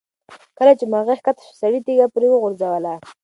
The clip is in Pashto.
کله چې مرغۍ ښکته شوه، سړي تیږه پرې وغورځوله.